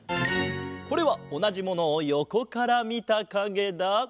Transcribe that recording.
これはおなじものをよこからみたかげだ。